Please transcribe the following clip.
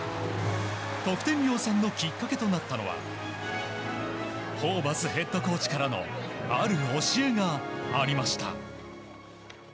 得点量産のきっかけとなったのはホーバスヘッドコーチからのある教えがありました。